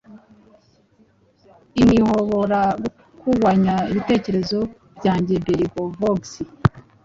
inhobora gukuanya ibitekerezo byanjyebelgavox